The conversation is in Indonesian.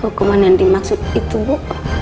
hukuman yang dimaksud itu bu